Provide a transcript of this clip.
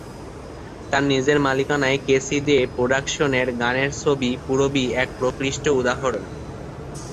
তার নিজের মালিকানায় কে সি দে প্রোডাকশনের গানের ছবি "পূরবী"এক প্রকৃষ্ট উদাহরণ।